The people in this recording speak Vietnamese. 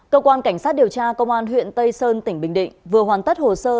cơ quan cảnh sát điều tra công an huyện tây sơn tỉnh bình định vừa hoàn tất hồ sơ